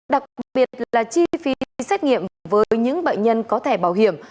đặc biệt là chi phí xét nghiệm với những bệnh nhân có thẻ bảo hiểm